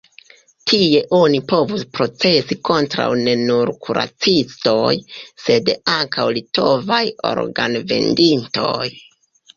Tie oni povus procesi kontraŭ ne nur kuracistoj, sed ankaŭ litovaj organ-vendintoj.